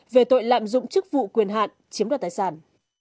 về tội lạm dụng chức vụ quyền hạn chiếm đoạt tài sản